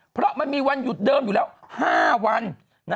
เพราะมันมีวันหยุดเดิมอยู่แล้ว๕วัน